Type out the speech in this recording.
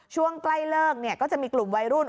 ช่วงใกล้เลิกก็จะมีกลุ่มวัยรุ่น